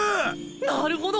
なるほど。